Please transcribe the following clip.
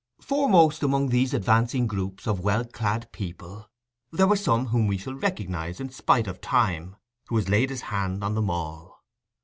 Foremost among these advancing groups of well clad people, there are some whom we shall recognize, in spite of Time, who has laid his hand on them all.